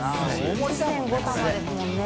水卜）１．５玉ですもんね。